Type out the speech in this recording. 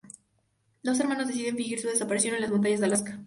Dos hermanos deciden fingir su desaparición en las montañas de Alaska.